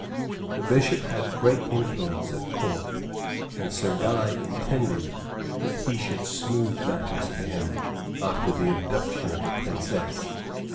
The Bishop had great influence at Court, and Sir Guy intended that he should smooth matters for him after the abduction of the Princess.